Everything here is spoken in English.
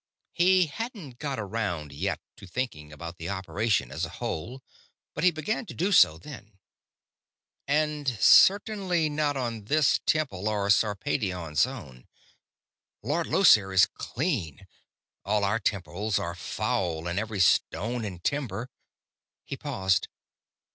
He hadn't got around yet to thinking about the operation as a whole, but he began to do so then. "And certainly not on this temple or Sarpedion's own. Lord Llosir is clean: all our temples are foul in every stone and timber...." He paused.